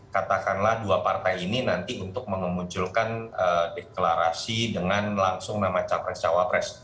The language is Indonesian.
katakanlah dua partai ini nanti untuk memunculkan deklarasi dengan langsung nama capres cawapres